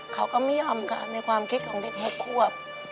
เขาก็ไม่ยอมค่ะในความคิดของเด็ก๖ควบ